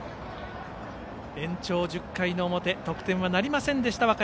延長１０回の表得点はなりませんでした